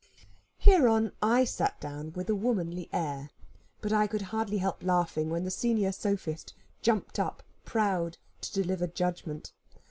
Hereon I sat down with a womanly air. But I could hardly help laughing when the senior sophist jumped up, proud to deliver judgment.